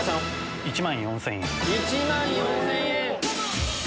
１万４０００円。